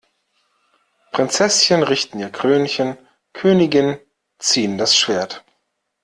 Prinzesschen richten ihr Krönchen, Königinnen ziehen das Schwert!